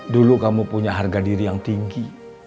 dulu kamu punya harga diri yang tinggi